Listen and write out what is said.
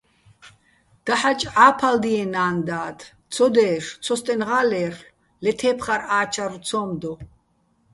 დაჰ̦აჭ ჸა́ფარდიეჼ ნა́ნ-დად, ცო დე́შო̆, ცოსტენღა́ ლე́რლ'ო̆, ლე თე́ფხარ-ა́ჩარვ ცო́მ დო.